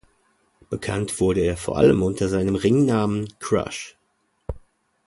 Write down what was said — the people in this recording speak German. Bekannt wurde er vor allem unter seinem Ringnamen Crush.